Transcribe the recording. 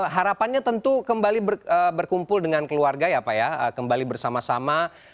harapannya tentu kembali berkumpul dengan keluarga ya pak ya kembali bersama sama